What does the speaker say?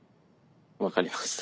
分かりました。